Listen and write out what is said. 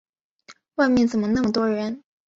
外面怎么那么多人？